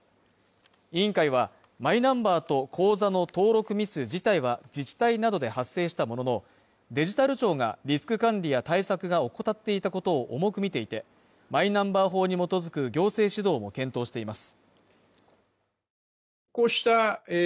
委員会は、マイナンバーと口座の登録ミス自体は、自治体などで発生したもののデジタル庁がリスク管理や対策が怠っていたことを重く見ていて、マイナンバー法に基づく行政指導を検討しています。